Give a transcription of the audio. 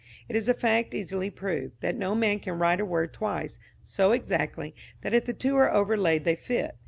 It is a fact easily proved, that no man can write a word twice, so exactly, that if the two are overlaid they fit.